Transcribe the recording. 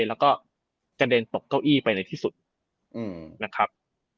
แล้วก็กระเด็นตกเก้าอี้ไปในที่สุดนะครับ